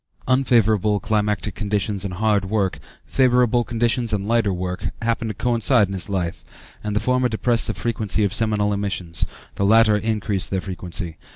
Unfavorable climatic conditions and hard work, favorable conditions and lighter work, happen to coincide in his life, and the former depress the frequency of seminal emissions; the latter increase their frequency.